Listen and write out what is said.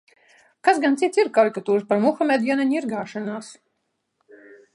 Kas gan cits ir karikatūras par Muhamedu, ja ne ņirgāšanās?